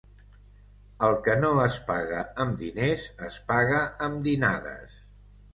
El que no es paga amb diners, es paga amb dinades.